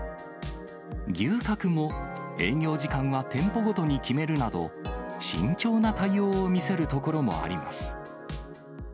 牛角も営業時間は店舗ごとに決めるなど、慎重な対応を見せるところもあります。